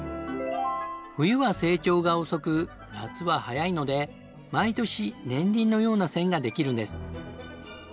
冬は成長が遅く夏は早いので毎年年輪のような線ができるんです。